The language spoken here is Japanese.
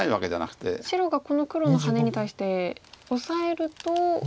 白がこの黒のハネに対してオサえると。